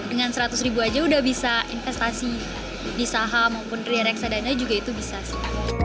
dengan seratus ribu aja udah bisa investasi di saham maupun reksadana juga itu bisa sih